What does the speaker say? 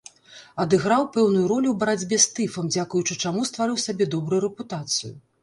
Адыграў пэўную ролю ў барацьбе з тыфам, дзякуючы чаму стварыў сабе добрую рэпутацыю.